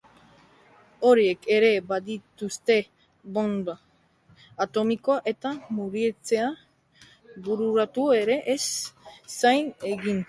Horiek ere badituzte bonba atomikoak, eta murriztea bururatu ere ez zaie egin.